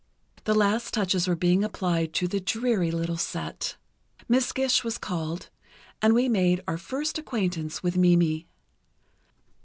The last touches were being applied to the dreary little set.... Miss Gish was called, and we made our first acquaintance with Mimi.